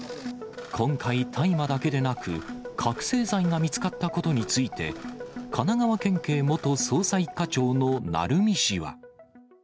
今回大麻だけでなく、覚醒剤が見つかったことについて、神奈川県警元捜査１課長の鳴海氏は。